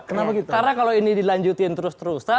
karena kalau ini dilanjutin terus terus